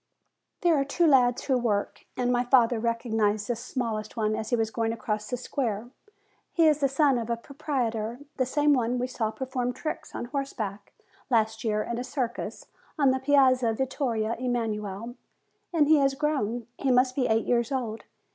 There are two lads who work; and my father recognized the smallest one as he was going across the square. He is the son of the proprietor, the same one whom we saw perform tricks on horse back last year in a circus on the Piazza Vittorio Emanuele. And he has grown; he must be eight years old.